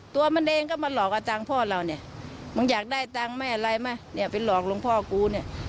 ตัวมันเองก็มาหลอกเอาตังค์พ่อเราเนี่ยมึงอยากได้ตังค์ไหมอะไรไหมเนี่ยไปหลอกหลวงพ่อกูเนี่ย